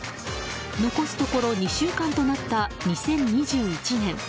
残すところ２週間となった２０２１年。